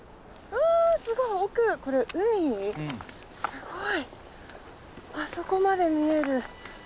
すごい！あそこまで見える。